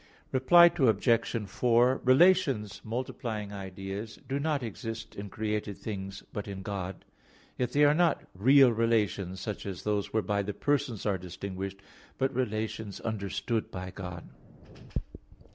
Reply Obj. 4: Relations multiplying ideas do not exist in created things, but in God. Yet they are not real relations, such as those whereby the Persons are distinguished, but relations understood by God.